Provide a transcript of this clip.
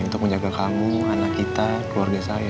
untuk menjaga kamu anak kita keluarga saya